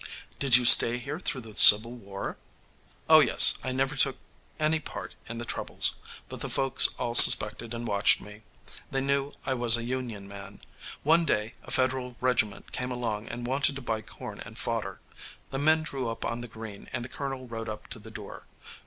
"Did you stay here through the civil war?" "Oh yes. I never took any part in the troubles, but the folks all suspected and watched me. They knew I was a Union man. One day a Federal regiment came along and wanted to buy corn and fodder. The men drew up on the green, and the colonel rode up to the door.